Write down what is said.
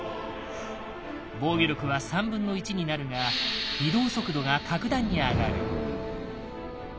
防御力は３分の１になるが移動速度が格段に上がる。